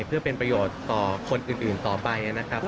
เพื่อเป็นประโยชน์ต่อคนอื่นต่อไปนะครับ